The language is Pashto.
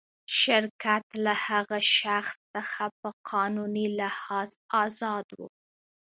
شرکت له هغه شخص څخه په قانوني لحاظ آزاد و.